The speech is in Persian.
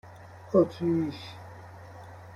اتریش